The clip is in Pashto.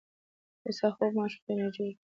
هوسا خوب ماشوم ته انرژي ورکوي.